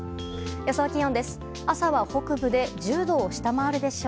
予想気温です。